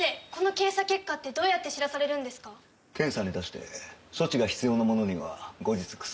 検査に出して処置が必要な者には後日薬を配布する。